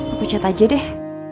aku cat aja deh